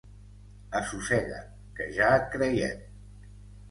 Assossega't, que ja et creiem.